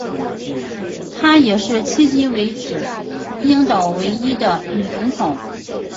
她也是迄今为止冰岛唯一的女总统。